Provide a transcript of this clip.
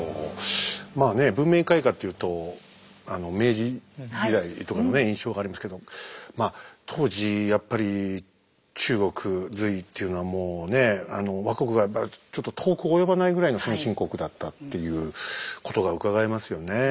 まあね文明開化っていうと明治時代とかのね印象がありますけどまあ当時やっぱり中国隋っていうのはもうねえ倭国がやっぱりちょっと遠く及ばないぐらいの先進国だったっていうことがうかがえますよね。